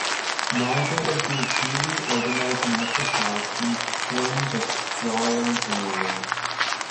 Neither of these duly organized municipalities claimed the sprawling area.